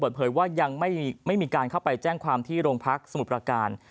เปิดเผยว่ายังไม่มีการเข้าไปแจ้งความที่โรงพักสมุทรประการ